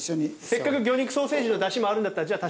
せっかく魚肉ソーセージのダシもあるんだったらじゃあ